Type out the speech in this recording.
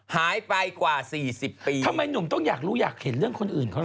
หายไปกว่า๔๐ปีทำไมหนุ่มต้องอยากรู้อยากเห็นเรื่องคนอื่นเขาล่ะ